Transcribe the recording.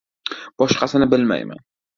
boshqasini bilmayman.